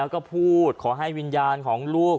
ก็พูดขอให้วิญญาณของลูก